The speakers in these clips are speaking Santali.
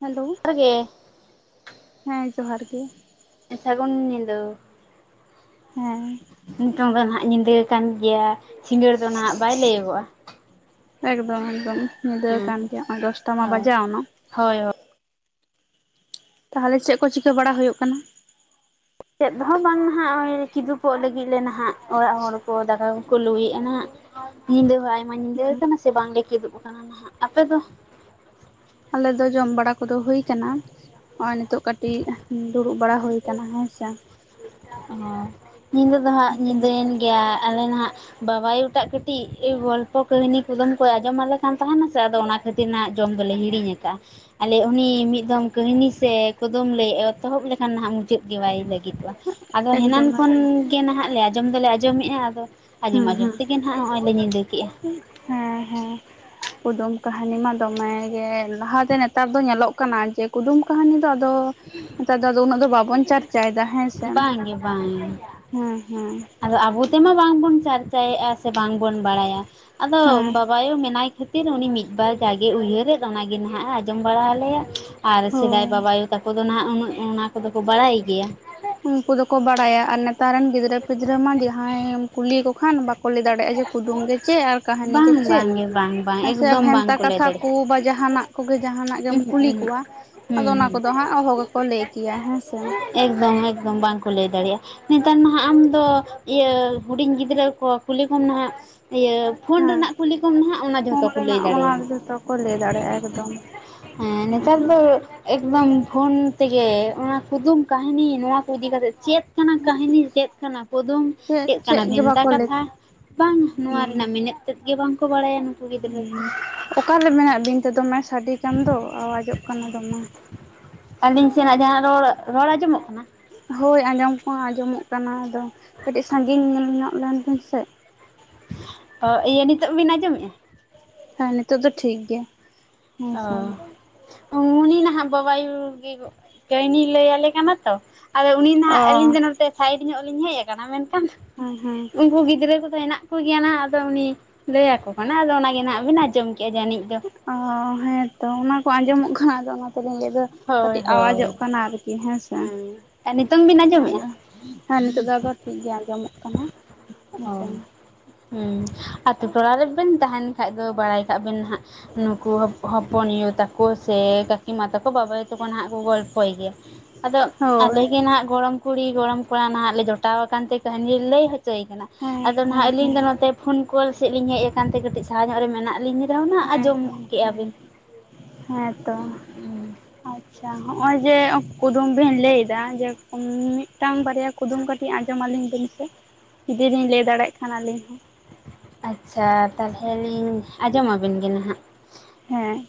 ᱦᱮᱞᱳ ᱡᱚᱦᱟᱨ ᱜᱮ ᱦᱮᱸ ᱡᱚᱦᱟᱨ ᱜᱮ ᱥᱟᱹᱜᱩᱱ ᱧᱤᱫᱟᱹ ᱦᱮᱸ ᱱᱤᱛᱚᱝ ᱫᱚ ᱦᱟᱸᱜ ᱧᱤᱫᱟᱹ ᱟᱠᱟᱱ ᱜᱮᱭᱟ ᱥᱤᱸᱜᱟᱹᱲ ᱫᱚ ᱱᱟᱦᱟᱜ ᱵᱟᱭ ᱞᱟᱹᱭᱟᱹᱜᱚᱜ-ᱟ ᱮᱠᱫᱚᱢ ᱮᱠᱫᱚᱢ ᱧᱤᱫᱟᱹ ᱦᱩᱸ ᱠᱟᱱ ᱜᱮᱭᱟ ᱱᱚᱜ-ᱚᱭ ᱫᱚᱥᱴᱟ ᱢᱟ ᱦᱳᱭ ᱵᱟᱡᱟᱣᱱᱟ ᱦᱳᱭ ᱛᱟᱦᱚᱞᱮ ᱪᱮᱫ ᱠᱚ ᱪᱤᱠᱟᱹ ᱵᱟᱲᱟ ᱦᱩᱭᱩᱜ ᱠᱟᱱᱟ? ᱪᱮᱫ ᱦᱚᱸ ᱵᱟᱝ ᱱᱟᱦᱟᱜ ᱠᱤᱫᱩᱵᱚᱜ ᱞᱟᱹᱜᱤᱫ ᱞᱮ ᱱᱟᱦᱟᱜ ᱚᱲᱟᱜ ᱦᱚᱲ ᱠᱚ ᱫᱟᱠᱟ ᱠᱚᱠᱚ ᱞᱩᱭᱮᱜ-ᱟ ᱱᱟᱦᱟᱜ ᱧᱤᱫᱟᱹ ᱦᱚᱸ ᱟᱭᱢᱟ ᱧᱤᱫᱟᱹ ᱦᱮᱸ ᱟᱠᱟᱱᱟ ᱥᱮ ᱵᱟᱝᱞᱮ ᱠᱤᱫᱩᱵ ᱟᱠᱟᱱᱟ ᱱᱟᱦᱟᱜ ᱟᱯᱮ ᱫᱚ ᱟᱞᱮ ᱫᱚ ᱡᱚᱢ ᱵᱟᱲᱟ ᱠᱚᱫᱚ ᱦᱩᱭ ᱠᱟᱱᱟ ᱱᱚᱜ-ᱚᱭ ᱱᱤᱛᱚᱜ ᱠᱟᱴᱤᱡ ᱫᱩᱲᱩᱵ ᱵᱟᱲᱟ ᱦᱩᱭ ᱠᱟᱱᱟ ᱦᱮᱸ ᱥᱮ ᱚ ᱧᱤᱫᱟᱹ ᱫᱚ ᱦᱟᱸᱜ ᱮᱠᱫᱚᱢ ᱧᱤᱫᱟᱹᱭᱮᱱ ᱜᱮᱭᱟ ᱟᱞᱮ ᱱᱟᱦᱟᱜ ᱵᱟᱵᱟᱭᱳ ᱴᱟᱜ ᱠᱟᱹᱴᱤᱡ ᱜᱚᱞᱯᱚ ᱠᱟᱹᱦᱱᱤ ᱠᱩᱫᱩᱢ ᱠᱚᱭ ᱟᱸᱡᱚᱢ ᱟᱞᱮ ᱠᱟᱱ ᱛᱟᱦᱮᱱᱟ ᱥᱮ ᱟᱫᱚ ᱚᱱᱟ‍᱾ ᱠᱷᱟᱹᱛᱤᱨ ᱱᱟᱦᱟᱜ ᱡᱚᱢ ᱫᱚᱞᱮ ᱦᱤᱲᱤᱧ ᱟᱠᱟᱫ-ᱟ ᱟᱞᱮ ᱩᱱᱤ ᱢᱤᱫ ᱫᱷᱚᱢ ᱠᱟᱹᱦᱱᱤ ᱥᱮ ᱠᱚᱫᱚᱢ ᱞᱮ ᱮᱛᱚᱦᱚᱵ ᱞᱮᱠᱷᱟᱱ ᱱᱟᱦᱟᱜ ᱢᱩᱪᱟᱹᱫ ᱜᱮ ᱵᱟᱭ ᱞᱟᱹᱜᱤᱫᱚᱜ-ᱟ ᱟᱫᱚ ᱦᱮᱱᱟᱱ ᱮᱠᱫᱚᱢ ᱠᱷᱚᱱ ᱮᱠᱫᱚᱢ ᱜᱮ ᱱᱟᱦᱟᱜ ᱞᱮ ᱟᱸᱡᱚᱢ ᱫᱚᱞᱮ ᱟᱸᱡᱚᱢᱮᱫ-ᱟ ᱟᱫᱚ ᱟᱸᱡᱚᱢ ᱦᱩᱸ ᱟᱸᱡᱚᱢ ᱦᱩᱸ ᱛᱮᱜᱮ ᱦᱟᱱᱟᱜ ᱱᱚᱜ-ᱚᱭ ᱞᱮ ᱧᱤᱫᱟᱹ ᱠᱮᱜ-ᱟ ᱦᱮᱸ ᱦᱮᱸ ᱠᱩᱫᱩᱢ ᱠᱟᱦᱱᱤ ᱢᱟ ᱫᱚᱢᱮ ᱜᱮ ᱞᱟᱦᱟ ᱛᱮ ᱱᱮᱛᱟᱨ ᱫᱚ ᱧᱮᱞᱚᱜ ᱠᱟᱱᱟ ᱡᱮ ᱠᱩᱫᱩᱢ ᱠᱟᱦᱟᱱᱤ ᱫᱚ ᱟᱫᱚ ᱱᱮᱛᱟᱨ ᱫᱚ ᱟᱫᱚ ᱩᱱᱟᱹᱜ ᱫᱚ ᱵᱟᱵᱚᱱ ᱪᱟᱨᱪᱟᱭ ᱮᱫᱟ ᱦᱮᱸ ᱥᱮ ᱵᱟᱝᱜᱮ ᱵᱟᱝ ᱦᱮᱸ ᱦᱮᱸ ᱟᱫᱚ ᱟᱵᱚ ᱛᱮᱢᱟ ᱵᱟᱝ ᱵᱚᱱ ᱪᱟᱨᱪᱟᱭᱮᱜ-ᱟ ᱥᱮ ᱵᱟᱝ ᱵᱚᱱ ᱵᱟᱲᱟᱭᱟ ᱟᱫᱚ ᱦᱮᱸ ᱵᱟᱭᱳ ᱢᱮᱱᱟᱭ ᱠᱷᱟᱹᱛᱤᱨ ᱩᱱᱤ ᱢᱤᱫ ᱵᱟᱨ ᱡᱟᱜᱮ ᱩᱭᱦᱟᱹᱨᱮᱫ ᱚᱱᱟᱜᱮ ᱱᱟᱦᱟᱸᱜ ᱟᱸᱡᱚᱢ ᱵᱟᱲᱟ ᱟᱞᱮᱭᱟ ᱟᱨ ᱥᱮᱫᱟᱭ ᱦᱳᱭ ᱵᱟᱵᱟᱭᱩ ᱛᱟᱠᱚ ᱫᱚ ᱱᱟᱦᱟᱸᱜ ᱩᱱᱟᱹᱜ ᱚᱱᱟ ᱠᱚᱫᱚ ᱠᱚ ᱵᱟᱲᱟᱭ ᱜᱮᱭᱟ ᱩᱱᱠᱩ ᱫᱚᱠᱚ ᱵᱟᱲᱟᱭᱟ ᱟᱨ ᱱᱮᱛᱟᱨ ᱨᱮᱱ ᱜᱤᱫᱽᱨᱟᱹ ᱯᱤᱫᱽᱨᱟᱹ ᱢᱟ ᱡᱟᱦᱟᱸᱭᱮᱢ ᱠᱩᱞᱤ ᱠᱚ ᱠᱷᱟᱱ ᱵᱟᱠᱚ ᱠᱚ ᱞᱟᱹᱭ ᱫᱟᱲᱮᱭᱟᱜᱼᱟ ᱡᱮ ᱠᱩᱫᱩᱢ ᱜᱮ ᱪᱮᱫ ᱟᱨ ᱠᱟᱦᱟᱱᱤ ᱜᱮ ᱵᱟᱝ ᱪᱮᱫ ᱵᱟᱝᱜᱮ ᱵᱟᱝ ᱵᱟᱝ ᱦᱮᱸ ᱥᱮ ᱮᱠᱫᱚᱢ ᱵᱷᱮᱱᱛᱟ ᱵᱟᱝᱠᱚ ᱞᱟᱹᱭ ᱠᱟᱛᱷᱟ ᱠᱩ ᱫᱟᱲᱮᱭᱟᱜᱼᱟ ᱵᱟ ᱡᱟᱦᱟᱸᱱᱟᱜ ᱠᱚᱜᱮ ᱡᱟᱦᱟᱸᱱᱟᱜ ᱜᱮᱢ ᱩᱦᱩᱸᱜ ᱠᱩᱞᱤ ᱩᱦᱩᱸᱜ ᱠᱚᱣᱟ ᱟᱫᱚ ᱦᱩᱸ ᱚᱱᱟ ᱠᱚᱫᱚ ᱦᱩᱸ ᱦᱟᱸᱜ ᱚᱦᱚ ᱜᱮᱠᱚ ᱞᱟᱹᱭ ᱠᱮᱭᱟ ᱦᱮᱸ ᱥᱮ ᱮᱠᱫᱚᱢ ᱮᱠᱫᱚᱢ ᱵᱟᱝᱠᱚ ᱞᱟᱹᱭ ᱫᱟᱲᱮᱭᱟᱜᱼᱟ ᱱᱮᱛᱟᱨ ᱱᱟᱦᱟᱜ ᱟᱢᱫᱚ ᱤᱭᱟᱹ ᱦᱩᱰᱤᱧ ᱜᱤᱫᱽᱨᱟᱹ ᱠᱚ ᱠᱩᱞᱤ ᱠᱚᱢ ᱱᱟᱦᱟᱜ ᱤᱭᱟᱹ ᱯᱷᱳᱱ ᱦᱮᱸ ᱨᱮᱱᱟᱜ ᱠᱩᱞᱤ ᱠᱚᱢ ᱱᱟᱦᱟᱜ ᱚᱱᱟ ᱯᱷᱳᱱ ᱡᱷᱚᱛᱚ ᱠᱚ ᱞᱟᱹᱭ ᱨᱮᱱᱟᱜ ᱚᱱᱟ ᱫᱟᱲᱮᱭᱟᱢᱟ ᱡᱚᱛᱚ ᱠᱚ ᱞᱟᱹᱭ ᱫᱟᱲᱮᱭᱟᱜᱼᱟ ᱮᱠᱫᱚᱢ ᱦᱮᱸ ᱱᱮᱛᱟᱨ ᱫᱚ ᱮᱠᱫᱚᱢ ᱯᱷᱳᱱ ᱛᱮᱜᱮ ᱚᱱᱟ ᱠᱩᱫᱩᱢ ᱠᱟᱹᱦᱱᱤ ᱱᱚᱣᱟ ᱠᱚ ᱤᱫᱤ ᱠᱟᱛᱮᱫ ᱪᱮᱫ ᱠᱟᱱᱟ ᱠᱟᱹᱦᱱᱤ ᱪᱮᱫ ᱠᱟᱱᱟ ᱠᱩᱫᱩᱢ ᱪᱮᱫ ᱠᱟᱱᱟ ᱜᱮ ᱵᱷᱮᱱᱛᱟ ᱵᱟᱠᱚ ᱞᱟᱹᱭ ᱠᱟᱛᱷᱟ ᱵᱟᱝ ᱱᱚᱣᱟ ᱨᱮᱱᱟᱜ ᱢᱮᱱᱮᱛ ᱛᱮᱫ ᱜᱮ ᱵᱟᱝ ᱠᱚ ᱵᱟᱲᱟᱭᱟ ᱜᱤᱫᱽᱨᱟᱹ ᱦᱮᱸ ᱚᱠᱟᱞᱮ ᱢᱮᱱᱟᱜ ᱵᱤᱱ ᱛᱮ ᱫᱚᱢᱮ ᱥᱟᱰᱤ ᱠᱟᱱ ᱫᱚ ᱟᱣᱟᱡᱚᱜ ᱠᱟᱱᱟ ᱫᱚᱢᱮ ᱟᱹᱞᱤᱧ ᱥᱮᱱᱟᱜ ᱡᱟᱦᱟᱸ ᱨᱚᱲ ᱨᱚᱲ ᱟᱸᱡᱚᱢᱚᱜ ᱠᱟᱱᱟ ᱦᱳᱭ ᱟᱸᱡᱚᱢ ᱠᱚᱦᱚᱸ ᱟᱸᱡᱚᱢᱚᱜ ᱠᱟᱱᱟ ᱟᱫᱚ ᱠᱟᱹᱴᱤᱡ ᱥᱟᱺᱜᱤᱧ ᱧᱮᱞ ᱧᱚᱜ [inaudible] ᱥᱮ ᱚ ᱤᱭᱟᱹ ᱱᱤᱛᱳᱜ ᱵᱤᱱ ᱟᱸᱡᱚᱢᱮᱜᱼᱟ ᱦᱮᱸ ᱱᱤᱛᱚᱜ ᱫᱚ ᱴᱷᱤᱠ ᱜᱮᱭᱟ ᱦᱮᱸᱥᱮ ᱚ ᱩᱱᱤ ᱱᱟᱦᱟᱸᱜ ᱵᱟᱵᱟᱭᱩ ᱜᱤ ᱠᱟᱹᱭᱱᱤ ᱞᱟᱹᱭ ᱟᱞᱮ ᱠᱟᱱᱟ ᱛᱚ ᱟᱫᱚ ᱩᱱᱤ ᱚ ᱱᱟᱸᱜ ᱟᱹᱞᱤᱧ ᱫᱚ ᱱᱚᱛᱮ ᱥᱟᱭᱤᱰ ᱧᱚᱜ ᱞᱤᱧ ᱦᱮᱡ ᱟᱠᱟᱱᱟ ᱢᱮᱱᱠᱷᱟᱱ ᱦᱮᱸ ᱦᱮᱸ ᱩᱱᱠᱩ ᱜᱤᱫᱽᱨᱟᱹ ᱠᱚ ᱦᱮᱱᱟᱜ ᱠᱚᱜᱮᱭᱟ ᱟᱫᱚ ᱩᱱᱤ ᱞᱟᱹᱭᱟ ᱠᱚ ᱠᱟᱱᱟᱭ ᱟᱫᱚ ᱚᱱᱟᱜᱮ ᱱᱟᱜ ᱵᱤᱱ ᱟᱸᱡᱚᱢ ᱠᱤᱭᱟ ᱡᱟᱹᱱᱤᱡ ᱫᱚ ᱚ ᱦᱮᱸᱛᱚ ᱚᱱᱟ ᱠᱚ ᱟᱸᱡᱚᱢᱚᱜ ᱠᱷᱟᱱ ᱟᱫᱚ ᱚᱱᱟ [inaudible] ᱫᱚ ᱦᱳᱭ ᱠᱟᱹᱴᱤᱡ ᱦᱳᱭ ᱟᱣᱟᱡᱚᱜ ᱠᱟᱱᱟ ᱟᱨᱠᱤ ᱦᱮᱸ ᱥᱮ ᱟᱨ ᱱᱤᱛᱚᱝ ᱵᱤᱱ ᱟᱸᱡᱚᱢᱮᱜᱼᱟ? ᱟᱫᱚ ᱦᱮᱸ ᱱᱤᱛᱚᱜ ᱫᱚ ᱟᱫᱚ ᱴᱷᱤᱠᱜᱮ ᱟᱸᱡᱚᱢᱚᱜ ᱠᱟᱱᱟ ᱚ ᱦᱮᱸᱥᱮ ᱦᱩᱸ ᱟᱛᱳ ᱴᱚᱞᱟ ᱨᱮᱵᱮᱱ ᱛᱟᱦᱮᱱ ᱠᱷᱟᱡ ᱫᱚ ᱵᱟᱲᱟᱭ ᱠᱟᱜ ᱵᱮᱱ ᱦᱟᱸᱜ ᱱᱩᱠᱩ ᱦᱚᱯᱚᱱᱭᱩ ᱛᱟᱠᱚ ᱥᱮ ᱠᱟᱹᱠᱤᱢᱟ ᱛᱟᱠᱚ ᱵᱟᱵᱟᱭᱩ ᱛᱟᱠᱚ ᱦᱟᱸᱜ ᱠᱚ ᱜᱚᱞᱯᱚᱭ ᱜᱮᱭᱟ ᱟᱫᱚ ᱦᱳᱭ ᱟᱞᱮᱜᱮ ᱱᱟᱸᱜ ᱜᱚᱲᱚᱢ ᱠᱩᱲᱤ ᱜᱚᱲᱚᱢ ᱠᱚᱲᱟ ᱱᱟᱦᱟᱸᱜ ᱞᱮ ᱡᱚᱴᱟᱣ ᱠᱟᱱ ᱛᱮ ᱠᱟᱹᱦᱱᱤ ᱞᱟᱹᱭ ᱦᱚᱪᱚᱭ ᱠᱟᱱᱟ ᱦᱮᱸ ᱟᱫᱚ ᱱᱟᱦᱟᱜ ᱦᱮᱸ ᱟᱹᱞᱤᱧ ᱦᱮᱸ ᱫᱚ ᱱᱚᱛᱮ ᱯᱷᱳᱱ ᱠᱚᱞ ᱥᱮᱫ ᱞᱤᱧ ᱦᱮᱡ ᱠᱟᱱᱛᱮ ᱠᱟᱹᱴᱤᱡ ᱥᱟᱦᱟ ᱧᱚᱜ ᱨᱮ ᱢᱮᱱᱟᱜ ᱞᱤᱧᱟᱹ [inaudible] ᱦᱮᱸ ᱟᱸᱡᱚᱢ ᱦᱮᱸ ᱠᱮᱭᱟᱜ ᱦᱮᱸ ᱵᱤᱱ ᱦᱮᱸᱛᱚ ᱟᱪᱪᱷᱟ ᱦᱚᱜᱼ ᱚᱭ ᱡᱮ ᱠᱩᱫᱩᱢ ᱵᱤᱱ ᱞᱟᱹᱭ ᱫᱟ ᱡᱮ ᱢᱤᱫᱴᱟᱝ ᱵᱟᱨᱭᱟ ᱠᱩᱫᱩᱢ ᱠᱟᱹᱴᱤᱡ ᱟᱸᱡᱚᱢ ᱟᱹᱞᱤᱧ ᱵᱤᱱ ᱥᱮ ᱡᱩᱫᱤ ᱞᱤᱧ ᱞᱟᱹᱭ ᱫᱟᱲᱮᱜ ᱠᱷᱟᱱ ᱟᱹᱞᱤᱧ ᱦᱚᱸ, ᱟᱪᱪᱷᱟ ᱛᱟᱞᱦᱮ ᱞᱤᱧ ᱟᱸᱡᱚᱢᱟᱵᱤᱱ ᱜᱮ ᱱᱟᱦᱟᱜ ᱦᱮᱸ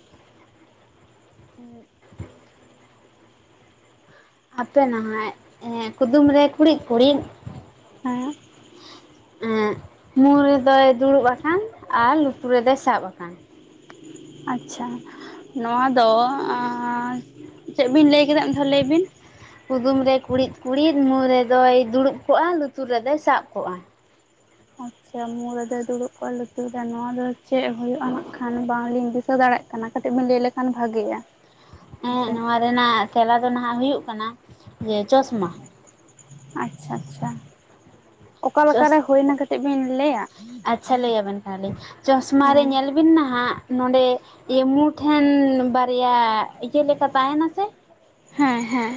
ᱟᱯᱮ ᱱᱟᱦᱟᱜ ᱠᱩᱫᱩᱢ ᱨᱮ ᱠᱩᱬᱤᱫ ᱠᱩᱬᱤᱫ [inaudible] ᱢᱩ ᱨᱮᱫᱚᱭ ᱫᱩᱲᱩᱵ ᱟᱠᱟᱱ ᱟᱨ ᱞᱩᱛᱩᱨ ᱨᱮᱫᱚᱭ ᱥᱟᱵ ᱟᱠᱟᱱ? ᱟᱪᱪᱷᱟ ᱱᱚᱣᱟ ᱫᱚ ᱪᱮᱫ ᱵᱤᱱ ᱞᱟᱹᱭ ᱠᱮᱫᱟ ᱢᱤᱫ ᱫᱷᱟᱣ ᱞᱟᱹᱭ ᱵᱤᱱ ᱠᱩᱫᱩᱢ ᱨᱮ ᱠᱩᱬᱤᱫ ᱠᱩᱬᱤᱫ ᱢᱩ ᱨᱮᱫᱚᱭ ᱫᱩᱲᱩᱵ ᱠᱚᱜᱼᱟ ᱞᱩᱛᱩᱨ ᱨᱮᱫᱚᱭ ᱥᱟᱵ ᱠᱚᱜᱼᱟ? ᱟᱪᱪᱷᱟ ᱢᱩ ᱨᱮᱫᱚᱭ ᱫᱩᱲᱩᱵ ᱠᱚᱜᱼᱟ ᱞᱩᱛᱩᱨ ᱨᱮ ᱱᱚᱣᱟ ᱫᱚ ᱪᱮᱫ ᱦᱩᱭᱩᱜᱼᱟ ᱱᱟᱜᱠᱷᱟᱱ ᱵᱟᱝᱞᱤᱧ ᱫᱤᱥᱟᱹ ᱫᱟᱲᱮᱜ ᱠᱟᱱᱟ ᱠᱟᱹᱴᱤᱡ ᱵᱮᱤᱱ ᱞᱟᱹᱭ ᱞᱮᱠᱷᱟᱱ ᱵᱷᱟᱜᱮᱜᱼᱟ᱾ ᱦᱮᱸ ᱦᱮᱸᱥᱮ ᱱᱚᱣᱟ ᱨᱮᱱᱟᱜ ᱛᱮᱞᱟ ᱫᱚ ᱱᱟᱦᱟᱜ ᱦᱩᱭᱩᱜ ᱠᱟᱱᱟ ᱡᱮ ᱪᱚᱥᱢᱟ ᱟᱪᱪᱷᱟ ᱟᱪᱪᱷᱟ ᱪᱚᱥ ᱚᱠᱟᱞᱮᱠᱟᱨᱮ ᱦᱳᱭᱱᱟ ᱠᱟᱹᱴᱤᱡ ᱵᱤᱱ ᱞᱟᱹᱭᱟ ᱟᱪᱪᱷᱟ ᱞᱟᱹᱭ ᱟᱵᱤᱱ ᱠᱟᱱ ᱞᱤᱧ ᱪᱚᱥᱢᱟ ᱨᱮ ᱦᱮᱸ ᱧᱮᱞ ᱵᱤᱱ ᱱᱟᱦᱟᱜ ᱱᱚᱰᱮ ᱤᱭᱟᱹ ᱢᱩᱴᱷᱮᱱ ᱵᱟᱨᱭᱟ ᱤᱭᱟᱹ ᱞᱮᱠᱟ ᱛᱟᱦᱮᱱᱟ ᱥᱮ ᱦᱮᱸ ᱦᱮᱸ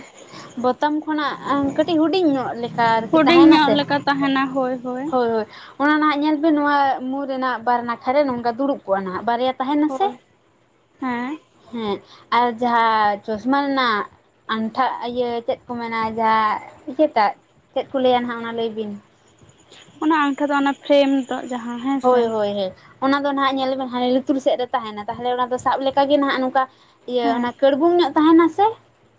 ᱵᱳᱛᱟᱢ ᱠᱷᱚᱱᱟᱜ ᱠᱟᱹᱴᱤᱡ ᱦᱩᱰᱤᱧ ᱧᱚᱜ ᱞᱮᱠᱟ ᱟᱨᱠᱤ ᱦᱩᱰᱤᱧ ᱛᱟᱦᱮᱱᱟ ᱧᱚᱜ ᱥᱮ᱾ ᱞᱮᱠᱟ ᱛᱟᱦᱮᱱᱟ ᱦᱳᱭ ᱦᱳᱭ ᱚᱱᱟ ᱱᱟᱦᱟᱜ ᱧᱮᱞ ᱵᱤᱱ ᱱᱚᱣᱟ ᱢᱩ ᱨᱮᱱᱟᱜ ᱵᱟᱨ ᱱᱟᱠᱷᱟ ᱨᱮ ᱱᱚᱝᱠᱟ ᱫᱩᱲᱩᱵ ᱠᱚᱜᱼᱟ ᱱᱟᱦᱟᱜ ᱵᱟᱨᱭᱟ ᱛᱟᱦᱮᱱᱟᱥᱮ ᱦᱳᱭ ᱦᱮᱸ ᱦᱮᱸ ᱟᱨ ᱡᱟᱦᱟᱸ ᱪᱚᱥᱢᱟ ᱨᱮᱱᱟᱜ [unintelligible] ᱤᱭᱟᱹ ᱪᱮᱫ ᱠᱚ ᱢᱮᱱᱟ ᱡᱟᱦᱟᱸ ᱤᱭᱟᱹᱴᱟᱜ ᱪᱮᱫ ᱠᱚ ᱞᱟᱹᱭᱟ ᱱᱟᱜ ᱚᱱᱟ ᱞᱟᱹᱭ ᱵᱤᱱ ᱚᱱᱟ ᱟᱸᱝᱴᱷᱟ ᱫᱚ ᱚᱱᱟ ᱯᱷᱨᱮᱢ [unintelligible] ᱡᱟᱦᱟᱸ ᱦᱮᱸ ᱥᱮ ᱦᱳᱭ ᱦᱳᱭ ᱦᱮᱸ ᱚᱱᱟ ᱫᱚ ᱱᱟᱦᱜ ᱧᱮᱞᱵᱮᱱ ᱦᱟᱱᱮ ᱞᱩᱛᱩᱨ ᱥᱮᱫ ᱨᱮ ᱛᱟᱦᱮᱱᱟ ᱛᱟᱦᱮᱞᱮ ᱚᱱᱟ ᱫᱚ ᱥᱟᱵ ᱞᱮᱠᱟᱜᱮ ᱱᱟᱦᱟᱸᱜ ᱱᱚᱝᱠᱟ ᱤᱭᱟᱹ ᱦᱮᱸ ᱚᱱᱟ ᱠᱟᱹᱲᱵᱩᱝ ᱧᱚᱜ ᱛᱟᱦᱮᱱᱟ ᱥᱮ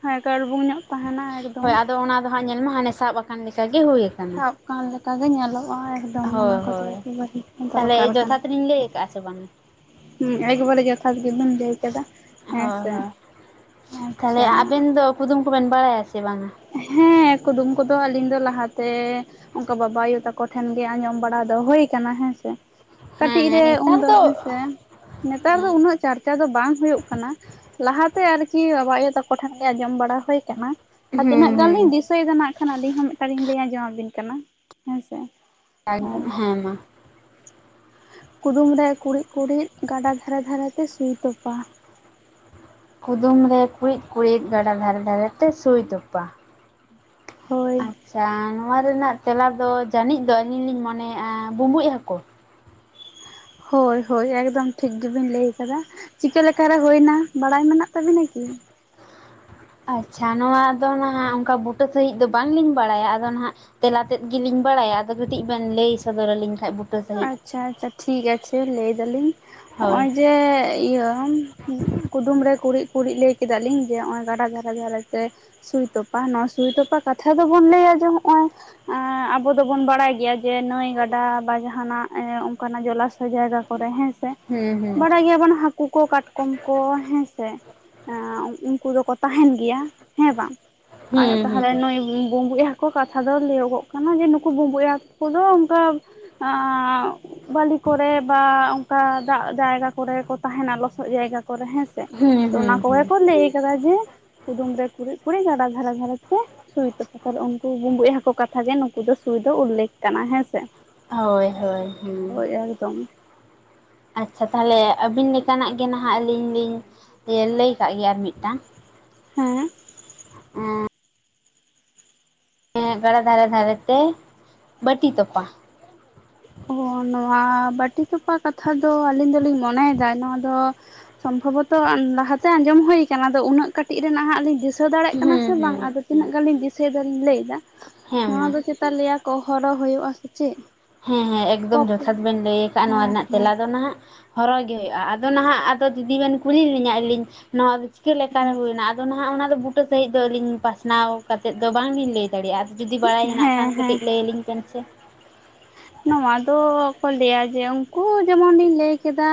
ᱦᱮᱸ ᱠᱟᱲᱵᱩᱝ ᱧᱚᱜ ᱛᱟᱦᱮᱱᱟ ᱮᱠᱫᱚᱢ ᱦᱳᱭ ᱚᱱᱟ ᱟᱫᱚ ᱦᱟᱸᱜ ᱧᱮᱞᱢᱮ ᱦᱟᱱᱮ ᱥᱟᱵ ᱟᱠᱟᱱ ᱞᱮᱠᱟ ᱜᱮ ᱦᱩᱭᱩᱠ ᱥᱟᱵᱠᱟᱱ ᱞᱮᱠᱟ ᱜᱮ ᱧᱮᱞᱚᱜᱼᱟ ᱮᱠᱫᱚᱢ ᱚᱱᱟ ᱦᱳᱭ ᱠᱚᱛᱮ ᱦᱳᱭ ᱮᱠᱮᱵᱟᱨᱮ ᱛᱟᱦᱚᱞᱮ ᱫᱚᱨᱠᱟᱨ ᱠᱟᱱᱟ᱾ ᱡᱚᱛᱷᱟᱛᱞᱤᱧ ᱞᱟᱹᱭ ᱠᱟᱜᱼᱟ ᱥᱮ ᱵᱟᱝ ᱦᱩᱸ ᱮᱠᱵᱟᱨᱮ ᱡᱚᱛᱷᱟᱛ ᱜᱮᱵᱤᱱ ᱞᱟᱹᱭ ᱠᱮᱫᱟ ᱦᱮᱸ ᱦᱳᱭ ᱥᱮ ᱦᱳᱭ ᱛᱟᱦᱚᱞᱮ ᱟᱪᱪᱷᱟ ᱟᱵᱮᱱ ᱫᱚ ᱠᱩᱫᱩᱢ ᱠᱚᱵᱮᱱ ᱵᱟᱲᱟᱭᱟ ᱥᱮ ᱵᱟᱝᱟ ᱦᱮᱸ ᱠᱩᱫᱩᱢ ᱠᱚᱫᱚ ᱟᱹᱞᱤᱧ ᱫᱚ ᱞᱟᱦᱟᱛᱮ ᱚᱱᱠᱟ ᱵᱟᱵᱟ ᱟᱭᱳ ᱛᱟᱠᱚ ᱴᱷᱮᱱ ᱜᱮ ᱟᱸᱡᱚᱢ ᱵᱟᱲᱟ ᱫᱚ ᱦᱳᱭ ᱠᱟᱱᱟ ᱦᱮᱸᱥᱮ ᱠᱟᱹᱴᱤᱡ ᱨᱮ ᱦᱮᱸ ᱱᱮᱛᱟᱨ ᱩᱱᱫᱚ ᱫᱚ ᱦᱮᱸᱥᱮ ᱱᱮᱛᱟᱨ ᱫᱚ ᱩᱱᱟᱹᱜ ᱪᱟᱨᱪ ᱪᱤᱠᱟ ᱫᱚ ᱵᱟᱝ ᱦᱳᱭᱳᱜ ᱠᱟᱱᱟ ᱞᱟᱦᱟᱛᱮ ᱟᱨᱠᱤ ᱵᱟᱵᱟ ᱟᱭᱳ ᱛᱟᱠᱚ ᱴᱷᱮᱱ ᱜᱮ ᱟᱸᱡᱚᱢ ᱵᱟᱲᱟ ᱦᱳᱭ ᱠᱟᱱᱟ ᱟᱨ ᱦᱩᱸ ᱛᱤᱱᱟᱹᱜ ᱜᱟᱱ ᱦᱩᱸ ᱞᱤᱧ ᱫᱤᱥᱟᱹᱭᱮᱫᱟ ᱱᱟᱜ ᱠᱷᱟᱱ ᱟᱹᱞᱤᱧ ᱦᱚᱸ ᱢᱤᱫᱴᱟᱝ ᱞᱤᱧ ᱞᱟᱹᱭ ᱟᱸᱡᱚᱢ ᱟᱵᱤᱱ ᱠᱟᱱᱟ ᱦᱮᱸᱥᱮ ᱮᱠᱫᱚᱢ ᱦᱮᱸ ᱢᱟ ᱠᱩᱫᱩᱢ ᱨᱮ ᱠᱩᱬᱤᱫ ᱠᱩᱬᱤᱫ ᱜᱟᱰᱟ ᱫᱷᱟᱨᱮ ᱫᱷᱟᱨᱮ ᱛᱮ ᱥᱩᱭ ᱛᱚᱯᱟ ᱠᱩᱫᱩᱢ ᱨᱮ ᱠᱩᱬᱤᱫ ᱠᱩᱬᱤᱫ ᱜᱟᱰᱟ ᱫᱷᱟᱨᱮ ᱫᱷᱟᱨᱮ ᱛᱮ ᱥᱩᱭ ᱛᱚᱯᱟ ᱦᱳᱭ ᱟᱪᱪᱷᱟ ᱱᱚᱣᱟ ᱨᱮᱱᱟᱜ ᱛᱮᱞᱟ ᱫᱚ ᱡᱟᱹᱱᱤᱡ ᱫᱚ ᱟᱹᱞᱤᱧ ᱞᱤᱧ ᱢᱚᱱᱮᱮᱫᱼᱟ ᱵᱩᱸᱵᱩᱡ ᱦᱟᱹᱠᱩ ᱦᱳᱭ ᱦᱳᱭ ᱮᱠᱫᱚᱢ ᱴᱷᱤᱠ ᱜᱮᱵᱤᱱ ᱞᱟᱹᱭ ᱟᱠᱟᱫᱟ ᱪᱤᱠᱟᱹᱞᱮᱠᱟ ᱨᱮ ᱦᱳᱭᱮᱱᱟ ᱵᱟᱲᱟᱭ ᱢᱮᱱᱟᱜ ᱛᱟᱵᱤᱱᱟ ᱠᱤ ᱟᱪᱪᱷᱟ ᱱᱚᱣᱟ ᱫᱚ ᱱᱟᱦᱟᱸᱜ ᱚᱱᱠᱟ ᱵᱩᱴᱟᱹ ᱥᱟᱺᱦᱤᱡ ᱫᱚ ᱵᱟᱝᱞᱤᱧ ᱵᱟᱲᱟᱭᱟ ᱟᱫᱚ ᱱᱟᱦᱟᱸᱜ ᱛᱮᱞᱟ ᱛᱮᱫ ᱜᱮᱞᱤᱧ ᱵᱟᱲᱟᱭᱟ ᱟᱫᱚ ᱠᱟᱹᱴᱤᱡ ᱵᱮᱱ ᱞᱟᱹᱭ ᱥᱚᱫᱚᱨ ᱟᱹᱞᱤᱧ ᱠᱷᱟᱡ ᱵᱩ ᱟᱪᱪᱷᱟ ᱟᱪᱪᱷᱟ ᱴᱷᱤᱠ ᱟᱪᱷᱮ ᱞᱟᱹᱭᱫᱟᱞᱤᱧ ᱦᱳᱭ ᱦᱚᱜᱼᱚᱭ ᱡᱮ ᱤᱭᱟᱹ ᱠᱩᱫᱩᱢ ᱨᱮ ᱠᱩᱲᱤᱫ ᱠᱩᱲᱤᱫ ᱞᱟᱹᱭ ᱠᱮᱫᱟ ᱞᱤᱧ ᱡᱮ ᱱᱚᱜᱼᱚᱭ ᱜᱟᱰᱟ ᱫᱷᱟᱨᱮ ᱫᱷᱟᱨᱮ ᱛᱮ ᱥᱩᱭ ᱛᱚᱯᱟ ᱱᱚᱣᱟ ᱥᱩᱭ ᱛᱚᱯᱟ ᱠᱟᱛᱷᱟ ᱫᱚᱵᱚᱱ ᱞᱟᱹᱭᱟ ᱡᱮ ᱱᱚᱜᱼᱚᱭ ᱟᱵᱚ ᱫᱚᱵᱚᱱ ᱵᱟᱲᱟᱭ ᱜᱮᱭᱟ ᱡᱮ ᱱᱟᱹᱭ ᱜᱟᱰᱟ ᱵᱟ ᱡᱟᱸᱦᱟ ᱡᱟᱦᱟᱱᱟᱜ ᱚᱱᱠᱟᱱᱟᱜ ᱡᱚᱞᱟᱥᱚᱭ ᱡᱟᱭᱜᱟ ᱠᱚᱨᱮ ᱦᱮᱸᱥᱮ ᱦᱩᱸ ᱦᱩᱸ ᱵᱟᱰᱟᱭ ᱜᱮᱭᱟᱵᱚᱱ ᱠᱩᱠᱚ ᱠᱟᱴᱠᱚᱢ ᱠᱚ ᱦᱮᱸ ᱥᱮ ᱩᱱᱠᱩ ᱫᱚᱠᱚ ᱛᱟᱦᱮᱱ ᱜᱮᱭᱟ ᱦᱮᱸ ᱵᱟᱝ ᱦᱩᱸ ᱛᱟᱦᱮᱞᱮ ᱱᱩᱭ ᱵᱩᱸᱵᱩᱡ ᱦᱟᱠ ᱠᱚ ᱠᱟᱛᱷᱟ ᱫᱚ ᱞᱟᱹᱭᱟᱹᱜᱚᱜ ᱠᱟᱱᱟ ᱡᱮ ᱱᱩᱠᱩ ᱵᱩᱵᱩᱡ ᱦᱟᱹᱠᱩ ᱫᱚ ᱚᱱᱠᱟ ᱵᱟᱹᱞᱤ ᱠᱚᱨᱮ ᱵᱟ ᱚᱱᱠᱟ ᱫᱟᱜ ᱡᱟᱭᱜᱟ ᱠᱚᱨᱮ ᱠᱚ ᱛᱟᱦᱮᱱᱟ ᱞᱚᱥᱚᱫ ᱡᱟᱭᱜᱟ ᱠᱚ ᱠᱚᱨᱮ ᱦᱮᱸᱥᱮ ᱦᱩᱸ ᱦᱩᱸ ᱛᱚ ᱦᱩᱸ ᱚᱱᱟ ᱠᱚᱜᱮ ᱦᱩᱸ ᱠᱚ ᱞᱟᱹᱭ ᱠᱟᱫᱟ ᱡᱮ ᱠᱩᱫᱩᱢ ᱨᱮ ᱠᱩᱲᱤᱫ ᱠᱩᱲᱤᱫ ᱜᱟᱰᱟ ᱫᱷᱟᱨᱮ ᱫᱷᱟᱨᱮ ᱛᱮ ᱥᱩᱭ ᱛᱟᱠᱚ ᱛᱟᱦᱚᱞᱮ ᱩᱱᱠᱩ ᱵᱩᱵᱩᱡ ᱦᱟᱹᱠᱩ ᱠᱟᱛᱷᱟ ᱜᱮ ᱱᱩᱠᱩ ᱫᱚ ᱥᱩᱭ ᱫᱚ ᱩᱞᱞᱮᱠᱷ ᱠᱟᱱᱟ ᱦᱮᱸᱥᱮ ᱦᱳᱭ ᱦᱳᱭ ᱦᱩᱸ ᱦᱳᱭ ᱮᱠᱫᱚᱢ ᱟᱪᱪᱷᱟ ᱛᱟᱦᱚᱞᱮ ᱟᱹᱵᱤᱱ ᱞᱮᱠᱟᱱᱟᱜ ᱜᱮ ᱱᱟᱦᱟᱜ ᱟᱹᱞᱤᱧ ᱞᱤᱧ ᱞᱟᱹᱭ ᱠᱟᱜ ᱜᱮᱭᱟ ᱟᱨ ᱢᱤᱫᱴᱟᱝ ᱦᱮᱸ [unintelligible] ᱮᱸ ᱜᱟᱰᱟ ᱫᱷᱟᱨᱮ ᱫᱷᱟᱨᱮ ᱛᱮ ᱵᱟᱹᱴᱤ ᱛᱚᱯᱟ ᱚ ᱱᱚᱣᱟ ᱵᱟᱹᱴᱤ ᱛᱚᱯᱟ ᱠᱟᱛᱷᱟ ᱫᱚ ᱟᱹᱞᱤᱧ ᱫᱚᱞᱤᱧ ᱢᱚᱱᱮᱭᱮᱫᱟ ᱱᱚᱣᱟ ᱫᱚ ᱥᱚᱢᱵᱷᱚᱵᱚᱛᱚ ᱞᱟᱦᱟᱛᱮ ᱟᱸᱡᱚᱢ ᱦᱳᱭᱟᱠᱟᱱᱟ ᱟᱫᱚ ᱩᱱᱟᱹᱜ ᱠᱟᱹᱴᱤᱡ ᱨᱮᱱᱟᱜ ᱦᱟᱸᱜ ᱞᱤᱧ ᱫᱤᱥ ᱥᱟᱹ ᱫᱟᱲᱮᱜ ᱠᱟᱱᱟ ᱥᱮ ᱦᱩᱸ ᱦᱩᱸ ᱵᱟᱝ ᱟᱫᱚ ᱦᱩᱸ ᱛᱤᱱᱟᱹᱜ ᱜᱟᱱᱞᱤᱧ ᱫᱤᱥᱟᱹ ᱥᱮ ᱫᱚᱞᱤᱧ ᱞᱟᱹᱭ ᱮᱫᱟ ᱦᱮᱸ ᱱᱚᱣᱟ ᱢᱟ ᱫᱚ ᱪᱮᱛᱟ ᱞᱟᱹᱭᱟ ᱠᱚ ᱦᱚᱨᱚ ᱦᱳᱭᱳᱜᱼᱟ ᱥᱮ ᱪᱮᱫ ᱦᱮᱸ ᱦᱮᱸ ᱮᱠᱫᱚᱢ ᱠᱚᱠ ᱡᱚᱛᱷᱟᱛ ᱵᱮᱱ ᱞᱟᱹᱭ ᱟᱠᱟᱜᱼᱟ ᱱᱚᱣᱟ ᱦᱮᱸ ᱨᱮᱱᱟᱜ ᱦᱮᱸ ᱛᱮᱞᱟ ᱫᱚ ᱱᱟᱦᱟᱜ ᱦᱚᱨᱚ ᱜᱮ ᱦᱩᱭᱩᱜᱼᱟ ᱟᱫᱚ ᱱᱟᱦᱟᱜ ᱟᱫᱚ ᱫᱤᱫᱤ ᱵᱮᱱ ᱠᱩᱞᱤ ᱞᱤᱧᱟ ᱟᱞᱤᱧ ᱱᱚᱣᱟ ᱪᱤᱠᱟᱹ ᱞᱮᱠᱟ ᱨᱮ ᱦᱩᱭᱱᱟ ᱟᱫᱚ ᱱᱟᱦᱟᱜ ᱚᱱᱟᱫᱚ ᱵᱩᱴᱟᱹ ᱥᱟᱺᱦᱤᱡ ᱫᱚ ᱟᱹᱞᱤᱧ ᱯᱟᱥᱱᱟᱣ ᱠᱟᱛᱮᱫ ᱫᱚ ᱵᱟᱝᱞᱤᱧ ᱞᱟᱹᱭ ᱮᱫ ᱫᱟᱲᱮᱭᱟᱜᱼᱟ ᱟᱨ ᱡᱩᱫᱤ ᱵᱟᱲᱟᱭ ᱦᱮᱱᱟᱜ ᱠᱷᱟᱱ ᱦᱮᱸ ᱦᱮᱸ ᱠᱟᱹᱴᱤᱡ ᱞᱮᱭᱟᱞᱤᱧ ᱵᱮᱱ ᱥᱮ ᱱᱚᱣᱟ ᱫᱚ ᱠᱚ ᱞᱟᱹᱭᱟ ᱡᱮ ᱩᱱᱠᱩ ᱡᱮᱢᱚᱱᱤᱧ ᱞᱟᱹᱭ ᱠᱮᱫᱟ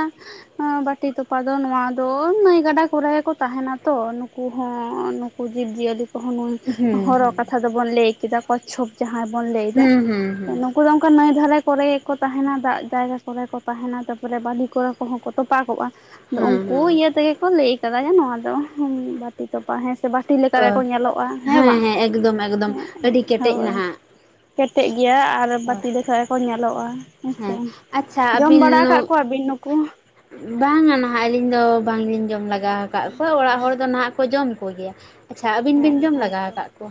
ᱵᱟᱹᱴᱤ ᱛᱚᱯᱟ ᱫᱚ ᱱᱚᱣᱟ ᱫᱚ ᱱᱟᱹᱭ ᱜᱟᱰᱟ ᱠᱚᱨᱮ ᱜᱮ ᱠᱚ ᱛᱟᱦᱮᱸᱱᱟ ᱛᱚ ᱱᱩᱠᱩ ᱦᱚᱸ ᱠᱚ ᱡᱤᱵᱽ ᱡᱤᱭᱟᱹᱞᱤ ᱦᱩᱸ ᱦᱚᱨᱚ ᱠᱟᱛᱷᱟ ᱫᱚᱵᱚᱱ ᱞᱟᱹᱭ ᱠᱮᱫᱟ ᱠᱚᱪᱪᱷᱚᱯ ᱡᱟᱦᱟᱸᱭ ᱵᱚᱱ ᱞᱟᱹᱭ ᱫᱟ ᱦᱩᱸ ᱦᱩᱸ ᱦᱩᱸ ᱩᱱᱠᱩ ᱫᱚ ᱚᱱᱠᱟ ᱱᱟᱹᱭ ᱫᱷᱟᱨᱮ ᱠᱚᱨᱮ ᱜᱮ ᱠᱚ ᱛᱟᱦᱮᱸᱱᱟ ᱫᱟᱜ ᱡᱟᱭᱜᱟ ᱠᱚᱨᱮ ᱠᱚ ᱛᱟᱦᱮᱸᱱᱟ ᱛᱟᱯᱚᱨᱮ ᱵᱟᱹᱞᱤ ᱠᱚᱨᱮ ᱠᱚᱦᱚᱸ ᱠᱚ ᱛᱚᱯᱟ ᱠᱚᱜᱼᱟ ᱦᱩᱸ ᱟᱫᱚ ᱦᱮᱸ ᱩᱱᱠᱩ ᱦᱮᱸ ᱤᱭᱟᱹ ᱛᱮᱜᱮ ᱠᱚ ᱞᱟᱹᱭ ᱟᱠᱟᱫᱟ ᱡᱮ ᱱᱚᱣᱟ ᱫᱚ ᱵᱟᱹᱴᱤ ᱛᱚᱯᱟ ᱦᱮᱸ ᱥᱮ ᱵᱟᱝ ᱵᱟᱹᱴᱤ ᱞᱮᱠᱟ ᱚ ᱜᱮᱠᱚ ᱧᱮᱞᱚᱜᱼᱟ ᱦᱮᱸ ᱵᱟᱝ ᱮᱠᱫᱚᱢ ᱮᱠᱫᱚᱢ ᱟᱹᱰᱤ ᱦᱮᱸ ᱠᱮᱴᱮᱡ ᱦᱳᱭ ᱱᱟᱦᱟᱜ ᱠᱮᱴᱮᱡ ᱜᱮᱭᱟ ᱟᱨ ᱵᱟᱹᱴᱤ ᱞᱮᱠᱟ ᱜᱮ ᱠᱚ ᱧᱮᱞᱚᱜᱼᱟ ᱦᱮᱸᱥᱮ ᱦᱮᱸ ᱟᱪᱪᱷᱟ ᱡᱚᱢ ᱟᱹᱵᱤᱱ ᱵᱟᱲᱟ ᱟᱠᱟᱫ ᱠᱚᱣᱟᱵᱤᱱ ᱱᱩᱠᱩ ᱵᱟᱝᱟ ᱱᱟᱦᱟᱜ ᱟᱹᱞᱤᱧ ᱫᱚ ᱵᱟᱝ ᱞᱤᱧ ᱡᱚᱢ ᱞᱮᱟᱜᱟᱣ ᱟᱠᱟᱫ ᱠᱚᱣᱟ ᱚᱲᱟᱜ ᱦᱚᱲ ᱫᱚ ᱱᱟᱦᱟᱜ ᱠᱚ ᱡᱚᱢ ᱠᱚ ᱜᱮᱭᱟ ᱟᱪᱪᱷᱟ ᱟᱹᱵᱤᱱ ᱵᱤᱱ ᱦᱮᱸ ᱡᱚᱢ ᱞᱟᱜᱟᱣ ᱦᱮᱸᱛᱚ ᱠᱟᱫ ᱠᱚᱣᱟ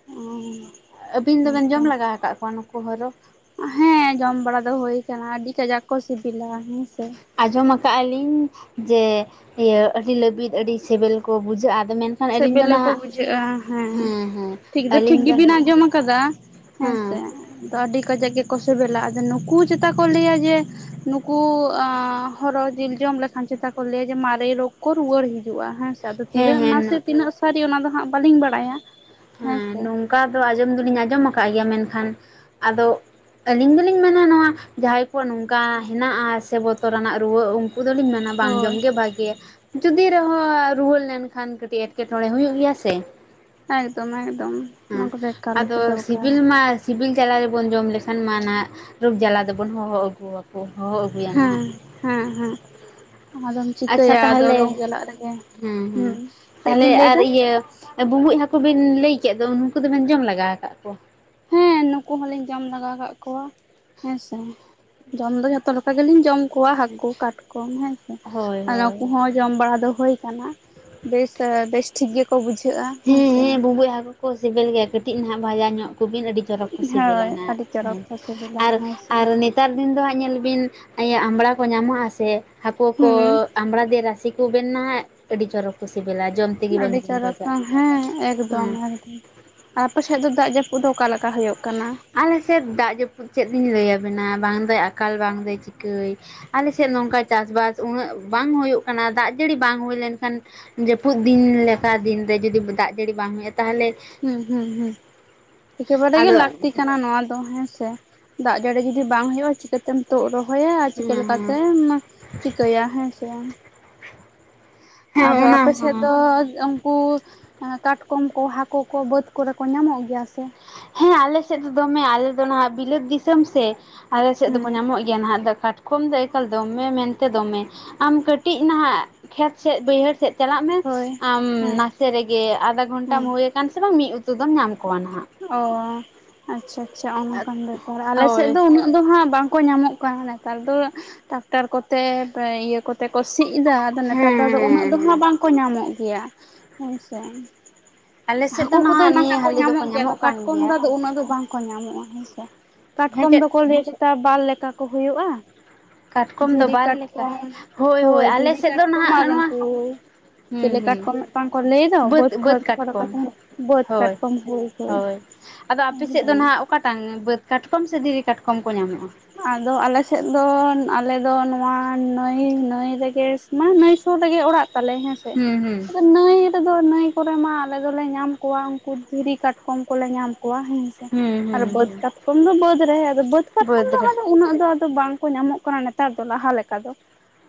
ᱚ ᱟᱹᱵᱤᱱ ᱫᱚ ᱵᱮᱱ ᱦᱮᱸᱛᱚ ᱡᱚᱢ ᱞᱟᱜᱟᱣ ᱟᱠᱟᱫ ᱠᱚᱣᱟ ᱱᱩᱠᱩ ᱦᱚᱨᱚ ᱦᱮᱸ ᱡᱚᱢ ᱵᱟᱲᱟ ᱫᱚ ᱦᱩᱭ ᱠᱟᱱᱟ ᱟᱹᱰᱤ ᱠᱟᱡᱟᱠ ᱠᱚ ᱥᱤᱵᱤᱞᱟ ᱦᱮᱸᱥᱮ ᱟᱸᱡᱚᱢ ᱟᱠᱟᱫᱟ ᱞᱤᱧ ᱡᱮ ᱤᱭᱟᱹ ᱟᱹᱰᱤ ᱞᱟᱹᱵᱤᱫ ᱟᱹᱰᱤ ᱥᱤᱵᱤᱞ ᱠᱚ ᱵᱩᱡᱷᱟᱹᱜᱼᱟ ᱟᱫᱚ ᱢᱮᱱ ᱥᱮᱵᱮᱞ ᱜᱮ ᱠᱚ ᱵᱩᱡᱷᱟᱹᱜᱼᱟ ᱦᱮᱸ ᱦᱮᱸ ᱴᱷᱤᱠ ᱫᱚ ᱴᱷᱤᱠ ᱟᱹᱞᱤᱧ ᱜᱮᱵᱤᱱ ᱱᱟᱦᱟᱜ ᱟᱸᱡᱚᱢ ᱟᱠᱟᱫᱟ ᱦᱮᱸᱥᱮ ᱦᱮᱸ ᱛᱚ ᱟᱹᱰᱤ ᱠᱟᱡᱟᱠ ᱜᱮᱠᱚ ᱥᱤᱵᱤᱞᱟ ᱟᱫᱚ ᱱᱩᱠᱩ ᱪᱮᱛᱟ ᱠᱚ ᱞᱟᱹᱭᱟ ᱡᱮ ᱱᱩᱠᱩ ᱦᱚᱨᱚ ᱡᱤᱞ ᱡᱚᱢ ᱞᱮᱠᱷᱟᱱ ᱪᱮᱛᱟ ᱠᱚ ᱞᱟᱹᱭᱟ ᱡᱮ ᱢᱟᱨᱮ ᱨᱳᱜᱽ ᱠᱚ ᱨᱩᱣᱟᱹᱲ ᱦᱤᱡᱩᱜᱼᱟ ᱦᱮᱸ ᱟᱫᱚ ᱛᱤᱱᱟᱹᱜ ᱦᱮᱸ ᱦᱮᱸ ᱱᱟᱥᱮ ᱛᱤᱱᱟᱹᱜ ᱥᱟᱹᱨᱤ ᱚᱱᱟ ᱫᱚ ᱦᱟᱸᱜ ᱵᱟᱹᱞᱤᱧ ᱵᱟᱲᱟᱭᱟ ᱦᱮᱸ ᱦᱮᱸᱥᱮ ᱱᱚᱝᱠᱟ ᱫᱚ ᱟᱸᱡᱚᱢ ᱫᱚ ᱞᱤᱧ ᱟᱸᱡᱚᱢ ᱟᱠᱟᱫ ᱜᱮᱭᱟ ᱢᱮᱱᱠᱷᱟᱱ ᱟᱫᱚ ᱟᱹᱞᱤᱧ ᱫᱚᱞᱤᱧ ᱢᱮᱱᱟ ᱱᱚᱣᱟ ᱡᱟᱦᱟᱸᱭ ᱠᱚᱣᱟᱜ ᱱᱚᱝᱠᱟ ᱦᱮᱱᱟᱜᱼᱟ ᱥᱮ ᱵᱚᱛᱚᱨᱟᱱᱟᱜ ᱨᱩᱣᱟᱹ ᱩᱱᱠᱩ ᱫᱚᱞᱤᱧ ᱢᱮᱱᱟ, ᱵᱟᱝ ᱡᱚᱢ ᱦᱳᱭ ᱜᱮ ᱵᱷᱟᱜᱮᱭᱟ ᱡᱩᱫᱤ ᱨᱮᱦᱚᱸ ᱨᱩᱣᱟᱹᱲ ᱞᱮᱱᱠᱷᱟᱱ ᱠᱟᱹᱴᱤᱡ ᱮᱸᱴᱠᱮᱴᱬᱮ ᱦᱩᱭᱩᱜ ᱜᱮᱭᱟ ᱥᱮ ᱾ ᱦᱮᱸ‌ ᱫᱚᱢᱮᱫ ᱟᱜᱫᱚᱢ ᱦᱮᱸ ᱟᱫᱚ ᱥᱤᱵᱤᱞ ᱢᱟ, ᱥᱤᱵᱤᱞ ᱡᱟᱞᱟ ᱨᱮᱵᱚᱱ ᱡᱚᱢ ᱞᱮᱠᱷᱟᱱ ᱢᱟ ᱱᱟ ᱨᱳᱜᱽ ᱡᱟᱞᱟ ᱫᱚᱵᱚᱱ ᱦᱚᱦᱚ ᱟᱹᱜᱩᱣᱟᱠᱚ ᱦᱚᱦᱚ ᱟᱹᱜᱩᱭᱟ ᱱᱟᱦᱜ, ᱦᱮᱸ ᱦᱮᱸ ᱦᱮᱸ ᱟᱫᱚᱢ ᱟᱪᱪᱷᱟ ᱪᱤᱠᱟᱹᱭᱟ ᱟᱫᱚ ᱛᱟᱦᱚᱞᱮ ᱞᱳᱠ ᱡᱟᱞᱟᱜ ᱨᱮᱜᱮ ᱦᱮᱸ ᱦᱮᱸ ᱦᱩᱸ ᱪᱮᱫ ᱛᱟᱦᱞᱮ ᱵᱤᱱ ᱞᱟᱹᱭ ᱟᱨ ᱮᱫᱟ ᱤᱭᱟᱹ ᱵᱩᱵᱩᱡ ᱦᱟᱹᱠᱩ ᱵᱤᱱ ᱞᱟᱹᱭ ᱠᱮᱫ ᱫᱚ ᱩᱱᱠᱩ ᱫᱚᱵᱮᱱ ᱡᱚᱢ ᱞᱮᱟᱜᱟᱶ ᱟᱠᱟᱫ ᱠᱚᱣᱟ? ᱦᱸ ᱱᱩᱠᱩ ᱦᱚᱞᱤ ᱡᱚᱢ ᱞᱮᱜᱟᱣ ᱠᱟᱜ ᱠᱚᱣᱟ, ᱦᱮᱸᱥᱮ ᱡᱚᱢ ᱫᱚ ᱡᱷᱚᱛᱚ ᱞᱮᱠᱟ ᱜᱮᱧ ᱡᱚᱢ ᱠᱚᱣᱟ ᱦᱟᱹᱠᱩ ᱠᱟᱴᱠᱚᱢ ᱦᱮᱸᱥᱮ ᱦᱳᱭ ᱟᱫᱚ ᱦᱳᱭ ᱱᱩᱠᱩ ᱦᱚᱸ, ᱡᱚᱢ ᱵᱟᱲᱟ ᱫᱚ ᱦᱳᱭ ᱠᱟᱱᱟ, ᱵᱮᱥ ᱵᱮᱥ ᱴᱷᱤᱠ ᱜᱮᱠᱚ ᱵᱩᱡᱷᱟᱹᱜᱼᱟ ᱦᱮᱸᱥᱮ ᱾ ᱵᱩᱢᱵᱩᱡ ᱦᱟᱠᱳ ᱠᱚ ᱥᱤᱵᱤᱞ ᱜᱮᱭᱟ ᱠᱟᱹᱴᱤᱡ ᱱᱟᱦᱟᱜ ᱵᱷᱟᱡᱟ ᱧᱚᱜ ᱠᱚᱵᱤᱱ ᱟᱹᱰᱤ ᱡᱚᱨᱚᱠ ᱠᱚ ᱥᱤᱵᱤᱞ ᱟ ᱦᱳᱭ ᱱᱦᱟᱜ ᱟᱹᱰᱤ ᱪᱚᱨᱚᱠ ᱦᱮᱸ ᱠᱚ ᱥᱤᱵᱤᱞᱟ ᱟᱨ ᱦᱮᱸ ᱥᱮ ᱟᱨ ᱱᱤᱛ ᱱᱮᱛᱟᱨ ᱫᱤᱱ ᱫᱚ ᱦᱟᱸᱜ ᱧᱮᱞ ᱵᱤᱱ, ᱤᱭᱟᱹ ᱟᱢᱲᱟ ᱠᱚ ᱧᱟᱢᱚᱜᱼᱟ ᱥᱮ, ᱦᱟᱹᱠᱩ ᱠᱚ ᱦᱩᱸ ᱟᱢᱲᱟ ᱫᱮ ᱨᱟᱥᱮ ᱛᱩᱵᱮᱱ ᱱᱟᱦᱟᱜ ᱟᱹᱰᱤ ᱪᱚᱨᱚᱠ ᱠᱚ ᱥᱤᱵᱤᱞᱟ, ᱡᱚᱢ ᱛᱮᱜᱮ ᱟᱹᱰᱤ ᱵᱟᱝᱵᱤᱱ ᱪᱟᱨᱠ ᱵᱷᱟᱜᱟᱜᱼᱟ ᱦᱮᱸ, ᱮᱠᱫᱚᱢ ᱦᱮᱸ ᱟᱨ ᱟᱯᱮ ᱥᱮᱫ ᱫᱚ ᱫᱟᱜ ᱡᱟᱹᱯᱩᱫ ᱫᱚ ᱚᱠᱟᱞᱮᱠᱟ ᱦᱩᱭᱩᱜ ᱠᱟᱱᱟ? ᱟᱞᱮᱥᱮᱫ ᱫᱟᱜ ᱡᱟᱹᱯᱩᱫ ᱪᱮᱫ ᱞᱤᱧ ᱞᱟᱹᱭᱟᱵᱮᱱᱟ, ᱵᱟᱝᱫᱚ ᱟᱠᱟᱞ, ᱵᱟᱝ ᱫᱚᱭ, ᱪᱤᱠᱟᱹᱭ ᱟᱞᱮ ᱥᱮᱫ ᱱᱚᱝᱠᱟ ᱪᱟᱥᱵᱟᱥ ᱩᱱᱟᱹᱜ ᱵᱟᱝ ᱦᱩᱭᱩᱜ ᱠᱟᱱᱟ, ᱫᱟᱜ ᱡᱟᱹᱲᱤ ᱵᱟᱝ ᱦᱩᱭ ᱞᱮᱱᱠᱷᱟᱱ ᱡᱟᱹᱯᱩᱫ ᱫᱤᱱ ᱞᱮᱠᱟ ᱫᱤᱱᱨᱮ ᱡᱩᱫᱤ ᱫᱟᱜ ᱡᱟᱹᱲᱤ ᱵᱟᱝ ᱦᱩᱭᱩᱜᱼᱟ, ᱛᱟᱦᱚᱞᱮ ᱦᱩᱸ ᱦᱩᱸ ᱦᱩᱸ, ᱮᱠᱮᱵᱟᱰᱟ ᱜᱮ ᱟᱫᱚ ᱦᱮᱸ ᱞᱟᱹᱠᱛᱤ ᱠᱟᱱᱟ ᱱᱚᱣᱟ ᱫᱚ ᱦᱮᱸᱥᱮ ᱾ ᱫᱟᱜ ᱡᱟᱹᱲᱤ ᱡᱩᱫᱤ ᱵᱟᱝ ᱦᱩᱭᱩᱜᱼᱟ, ᱪᱤᱠᱟᱹᱛᱮᱢ ᱛᱩᱫ ᱨᱚᱦᱚᱭᱟ ᱟᱨ ᱪᱤᱠᱟᱹ ᱦᱮᱸ ᱞᱮᱠᱟᱛᱮᱢ ᱪᱤᱠᱟᱹᱭᱟ ᱦᱮᱸ ᱥᱮ ᱦᱮᱸ ᱟᱫᱚ ᱚᱱᱟ ᱟᱯᱮᱥᱮᱫ ᱦᱚᱸ ᱫᱚ, ᱠᱟᱴᱠᱚᱢ ᱠᱚ ᱦᱟᱹᱠᱩ ᱠᱚ ᱵᱟᱹᱫᱽ ᱠᱚᱨᱮ ᱠᱚ ᱧᱟᱢᱚᱜ ᱜᱮᱭᱟ ᱥᱮ? ᱦᱮᱸ ᱟᱞᱮ ᱥᱮᱫ ᱫᱚ ᱫᱚᱢᱮ ᱟᱞᱮ ᱫᱚ ᱱᱟᱦᱟᱜ ᱵᱤᱞᱟᱹᱛ ᱫᱤᱥᱚᱢ ᱥᱮ, ᱟᱞᱮ ᱥᱮᱫ ᱫᱚᱠᱚ ᱦᱩᱸ ᱧᱟᱢᱚᱜ ᱜᱮᱭᱟ ᱾ ᱱᱟᱦᱟᱜ ᱫᱚ ᱠᱟᱴᱠᱚᱢ ᱫᱚ ᱮᱠᱟᱞ ᱫᱚᱢᱮ ᱢᱮᱱᱛᱮ ᱫᱚᱢᱮ, ᱟᱢ ᱠᱟᱹᱴᱤᱡ ᱱᱟᱦᱟᱜ ᱠᱷᱮᱛ ᱥᱮᱫ ᱵᱟᱹᱭᱦᱟᱹᱲ ᱥᱮᱫ ᱪᱟᱞᱟᱜ ᱢᱮ ᱦᱳᱭ ᱟᱢ ᱦᱮᱸ ᱱᱟᱥᱮ ᱨᱮᱜᱮ ᱟᱫᱷᱟ ᱜᱷᱚᱱᱴᱟᱢ ᱦᱮᱸ ᱦᱩᱭ ᱟᱠᱟᱱ ᱥᱮ ᱵᱟᱝ ᱢᱤᱫ ᱩᱛᱩ ᱫᱚᱢ ᱧᱟᱢ ᱠᱚᱣᱟ ᱦᱟᱜ ᱾ ᱚ ᱟᱪᱪᱷᱟ ᱟᱪᱪᱷᱟ, ᱚᱱᱠᱟᱱ ᱵᱮᱯᱟᱨ ᱟᱞᱮᱥᱮᱫ ᱦᱳᱭ ᱫᱚ ᱩᱱᱟ, ᱫᱚ ᱦᱟᱸᱜ ᱵᱟᱝᱠᱚ ᱧᱟᱢᱚᱜ ᱠᱟᱱᱟ ᱱᱮᱛᱟᱨ ᱫᱚ ᱴᱟᱠᱴᱟᱨ ᱠᱚᱛᱮ ᱤᱭᱟᱹ ᱠᱚᱛᱮ ᱠᱚ ᱥᱤᱭ ᱮᱫᱟ ᱱᱮᱛᱟᱨ ᱫᱚ ᱦᱮᱸ ᱩᱱᱟᱹᱜ ᱫᱚ ᱦᱮᱸ ᱦᱟᱸᱜ ᱦᱮᱸ ᱵᱟᱝᱠᱚ ᱧᱟᱢᱚᱜ ᱜᱮᱭᱟ ᱦᱮᱸᱥᱮ ᱟᱞᱮ ᱥᱮᱫ ᱦᱟᱹᱠᱩ ᱫᱚ ᱠᱚᱫᱚ ᱱᱟᱦᱟᱜ ᱱᱤᱭᱟᱹ ᱠᱚ ᱦᱟᱹᱞᱤ ᱫᱚᱠᱚ ᱧᱟᱢᱚᱜ ᱜᱮᱭᱟ ᱟᱫᱚ ᱠᱟᱱ ᱠᱟᱴᱠᱚᱢ ᱜᱮᱭᱟ ᱫᱚ ᱩᱱᱟᱹᱜ ᱫᱚ ᱵᱟᱝᱠᱚ ᱧᱟᱢᱚᱜᱼᱟ ᱦᱮᱸᱥᱮ ᱾ ᱦᱮᱸ ᱠᱟᱴᱠᱚᱢ ᱪᱮᱫ ᱫᱚᱠᱚ ᱞᱟᱹᱭ ᱛᱟ ᱵᱟᱨ ᱞᱮᱠᱟ ᱠᱚ ᱦᱩᱭᱩᱜᱼᱟ ᱠᱟᱴᱠᱚᱢ ᱫᱚ ᱫᱷᱤᱨᱤ ᱵᱟᱨ ᱞᱮᱠᱟ ᱠᱟᱴᱠᱚᱢ ᱾ ᱦᱳᱭ ᱟᱞᱮ ᱫᱷᱤᱨᱤ ᱥᱮᱫ ᱫᱚ ᱠᱟᱴᱠᱚᱢ ᱱᱟᱦᱟᱜ ᱟᱨ ᱩᱱ ᱱᱚᱣᱟ ᱠᱚ ᱪᱮᱫ ᱦᱩᱸ ᱞᱮᱠᱟ‌ ᱦᱩᱸ ᱠᱚ ᱢᱤᱫᱴᱟᱝ ᱠᱚ ᱞᱟᱹᱭ ᱫᱚ ᱵᱟᱹᱫᱽ ᱠᱷᱚᱱ ᱠᱷᱚᱨᱚ ᱠᱟᱛᱮ ᱵᱟᱹᱫ ᱦᱳᱭ ᱠᱟᱴᱠᱚᱢ ᱦᱩᱭ ᱦᱩᱭ ᱦᱳᱭ ᱟᱫᱚ ᱟᱯᱮ ᱥᱮᱫ ᱫᱚ ᱱᱟᱜ ᱚᱠᱟᱴᱟᱝ ᱵᱟᱹᱫᱽ ᱠᱟᱴᱠᱚᱢ ᱥᱮ ᱫᱷᱤᱨᱤ ᱠᱟᱴᱠᱚᱢ ᱠᱚ ᱧᱟᱢᱚᱜᱼᱟ ᱟᱫᱚ ᱟᱞᱮ ᱥᱮᱫ ᱫᱚ ᱟᱞᱮ ᱫᱚ ᱱᱚᱣᱟ ᱱᱟᱹᱭ ᱱᱟᱹᱭ ᱨᱮᱜᱮ ᱢᱟᱱᱮ ᱱᱟᱹᱭ ᱥᱩᱨ ᱨᱮᱜᱮ ᱚᱲᱟᱜ ᱛᱟᱞᱮ ᱦᱮᱸ ᱦᱮᱸ ᱦᱮᱸ ᱱᱟᱹᱭ ᱨᱮᱫᱚ ᱱᱟᱹᱭ ᱠᱚᱨᱮ ᱢᱟ ᱟᱞᱮ ᱫᱚᱞᱮ ᱧᱟᱢ ᱠᱚᱣᱟ ᱩᱱᱠᱩ ᱫᱷᱤᱨᱤ ᱠᱟᱴᱠᱚᱢ ᱠᱚᱞᱮ ᱧᱟᱢ ᱠᱚᱣᱟ ᱦᱮᱸ ᱦᱩᱸ ᱟᱨ ᱦᱩᱸ ᱵᱟᱹᱫᱽ ᱠᱟᱴᱠᱚᱢ ᱫᱚ ᱵᱟᱹᱫᱽ ᱨᱮ ᱟᱫᱚ ᱵᱟᱹᱫᱽ ᱠᱟᱴᱠᱚᱢ ᱫᱚ ᱵᱟᱹᱫᱽᱨᱮ ᱟᱫᱚ ᱩᱱᱟᱹᱜ ᱫᱚ ᱟᱫᱚ ᱵᱟᱝᱠᱚ ᱧᱟᱢᱚᱜ ᱠᱟᱱᱟ ᱱᱮᱛᱟᱨ ᱫᱚ ᱞᱟᱦᱟ ᱞᱮᱠᱟ ᱫᱚ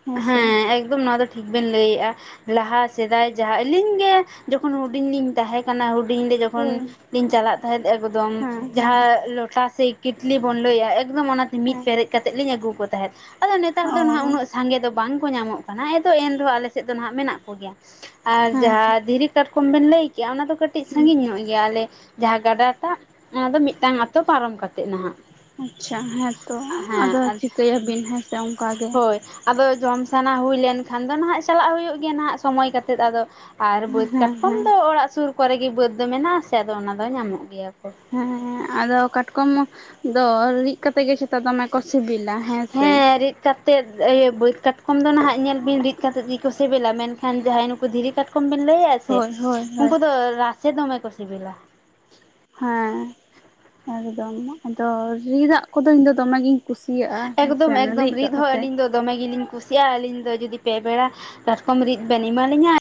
ᱦᱮᱸᱥᱮ ᱦᱮᱸ ᱮᱠᱫᱚᱢ ᱱᱚᱣᱟ ᱫᱚ ᱴᱷᱤᱠ ᱵᱮᱱ ᱞᱟᱹᱭᱮᱫᱼᱟ ᱾ ᱞᱟᱦᱟ ᱥᱮᱫᱟᱭ ᱡᱟᱦᱟᱸ ᱟᱹᱞᱤᱧ ᱜᱮ ᱡᱚᱠᱷᱚᱱ ᱦᱩᱰᱤᱧ ᱞᱤᱧ ᱛᱟᱦᱮᱸ ᱠᱟᱱᱟ ᱠᱟᱱᱟ ᱦᱩᱰᱤᱧ ᱨᱮ ᱦᱳᱭ ᱡᱚᱠᱷᱚᱱᱤᱧ ᱪᱟᱞᱟᱜ ᱛᱟᱦᱮᱸᱫ ᱮᱠᱫᱚᱢ ᱦᱮᱸ ᱦᱮᱸ ᱡᱟᱦᱟᱸ ᱞᱚᱴᱟ ᱥᱮ ᱠᱤᱴᱞᱤ ᱵᱚᱱ ᱞᱟᱹᱭᱟ ᱮᱠᱫᱚᱢ ᱚᱱᱟᱛᱮ ᱢᱤᱫ ᱦᱮᱸ ᱯᱮᱨᱮᱡ ᱠᱟᱛᱮᱫ ᱞᱤᱧ ᱟᱹᱜᱩ ᱠᱚ ᱛᱟᱦᱮᱸᱫ ᱾ ᱟᱫᱚ ᱱᱮᱛᱟᱨ ᱚ ᱫᱚ ᱦᱟᱸᱜ ᱩᱱᱟᱹᱜ ᱥᱟᱸᱜᱮ ᱫᱚ ᱵᱟᱝ ᱠᱚ ᱧᱟᱢᱚᱜ ᱠᱟᱱᱟ ᱮᱫᱚ ᱮᱱᱦᱚᱸ ᱟᱞᱮ ᱥᱮᱫ ᱫᱚ ᱱᱟᱦᱟᱜ ᱢᱮᱱᱟᱜ ᱠᱚᱜᱮᱭᱟ ᱾ ᱟᱨ ᱦᱮᱸ ᱡᱟᱦᱟᱸ ᱫᱷᱤᱨᱤ ᱠᱟᱴᱠᱚᱢ ᱵᱮᱱ ᱞᱟᱹᱭ ᱠᱮᱜᱼᱟ ᱚᱱᱟ ᱫᱚ ᱠᱟᱹᱴᱤᱡ ᱦᱮᱸ ᱥᱟᱺᱜᱤᱧ ᱧᱚᱜ ᱜᱮᱭᱟ ᱟᱞᱮ ᱡᱟᱦᱟᱸ ᱜᱟᱰᱟ ᱴᱟᱜ, ᱚᱱᱟ ᱫᱚ ᱢᱤᱫᱴᱟᱝ ᱟᱛᱳ ᱯᱟᱨᱚᱢ ᱠᱟᱛᱮᱜ ᱱᱟᱦᱟᱜ ᱾ ᱟᱪᱪᱷᱟ ᱦᱮᱸ ᱛᱚ ᱟᱫᱚ ᱪᱤᱠᱟᱹᱭᱟᱵᱤᱱ ᱦᱮᱸ ᱥᱮ ᱚᱱᱠᱟ ᱜᱮ ᱾ ᱦᱳᱭ ᱟᱫᱚ ᱡᱚᱢ ᱥᱟᱱᱟ ᱦᱩᱭ ᱞᱮᱱᱠᱷᱟᱱ ᱫᱚ ᱱᱟᱦᱟᱜ ᱪᱟᱞᱟᱜ ᱦᱩᱭᱩᱜ ᱜᱮᱭᱟ ᱱᱟᱦᱟᱜ ᱥᱚᱢᱚᱭ ᱠᱟᱛᱮᱜ ᱾ ᱟᱫᱚ ᱟᱨ ᱵᱟᱹᱫᱽ ᱦᱮᱸ ᱠᱟᱴᱠᱚᱢ ᱦᱮᱸ ᱫᱚ ᱚᱲᱟᱜ ᱥᱩᱨ ᱠᱚᱨᱮ ᱜᱮ ᱵᱟᱹᱫᱽ ᱫᱚ ᱢᱮᱱᱟᱜ ᱥᱮ ᱟᱫᱚ ᱚᱱᱟ ᱫᱚ ᱧᱟᱢᱚᱜ ᱜᱮᱭᱟ ᱠᱚ ᱾ ᱦᱮᱸ ᱟᱫᱚ ᱠᱟᱴᱠᱚᱢ ᱫᱚ ᱨᱤᱫ ᱠᱟᱛᱮᱜ ᱜᱮ ᱛᱚ ᱫᱚᱢᱮ ᱠᱚ ᱥᱤᱵᱤᱞᱟ ᱦᱮᱸ ᱥᱮ ᱾ ᱨᱤᱫ ᱠᱟᱛᱮᱫ ᱤᱭᱟᱹ ᱵᱟᱹᱫᱽ ᱠᱟᱴᱠᱚᱢ ᱫᱚ ᱱᱟᱦᱟᱜ ᱧᱮᱞ ᱵᱤᱱ ᱨᱤᱫᱠᱟᱛᱮᱫ ᱜᱮᱠᱚ ᱥᱤᱵᱤᱞᱟ ᱢᱮᱱᱠᱷᱟᱱ ᱡᱟᱦᱟᱸᱭ ᱱᱩᱠᱩ ᱫᱷᱤᱨᱤ ᱠᱟᱴᱠᱚᱢ ᱼᱚᱢ ᱵᱤᱱ ᱞᱟᱹᱭ ᱟᱥᱮ ᱦᱳᱭ ᱦᱳᱭ ᱦᱳᱭ ᱩᱱᱠᱩ ᱫᱚ ᱨᱟᱥᱮᱹ ᱫᱚᱢᱮ ᱠᱚ ᱥᱤᱵᱤᱞᱟ ᱾ ᱦᱮᱸ ᱮᱠᱫᱚᱢ ᱾ ᱟᱫᱚ ᱨᱤᱫᱟᱜ ᱠᱚᱫᱚ ᱤᱧ ᱫᱚ ᱫᱚᱢᱮᱜᱤᱧ ᱠᱩᱥᱤᱭᱟᱜᱼᱟ ᱦᱮᱸ ᱥᱮ ᱮᱠᱫᱚᱢ ᱮᱠᱫᱚᱢ ᱨᱤᱫ ᱦᱚᱸ ᱠᱟᱛᱮᱫ ᱾ ᱟᱹᱞᱤᱧ ᱫᱚ ᱫᱚᱢᱮ ᱜᱮᱞᱤᱧ ᱠᱩᱥᱤᱭᱟᱜᱼᱟ ᱟᱹᱞᱤᱧ ᱫᱚ ᱡᱩᱫᱤ ᱯᱮ ᱵᱮᱲᱟ ᱠᱟᱴᱠᱚᱢ ᱨᱤᱫ ᱵᱮᱱ ᱮᱢᱟᱞᱤᱧᱟ